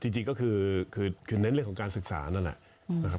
จริงก็คือเน้นเรื่องของการศึกษานั่นแหละนะครับ